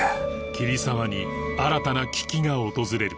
桐沢に新たな危機が訪れる